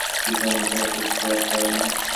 কি জানি, তা হতে কি আর পারে না?